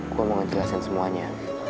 gue mau jelasin semuanya